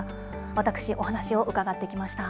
私、お話を伺ってきました。